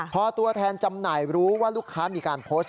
พอตัวแทนจำหน่ายรู้ว่าลูกค้ามีการโพสต์